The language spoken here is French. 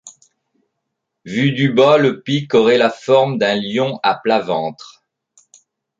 Vue du bas le pic aurait la forme d'un lion à plat ventre.